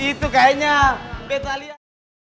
itu kayaknya betulia